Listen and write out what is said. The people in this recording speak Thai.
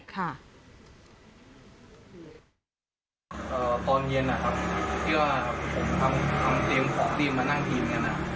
ตอนเย็นนะครับที่ผมเอาเตรียมของทีมนั่งทีมกันนะ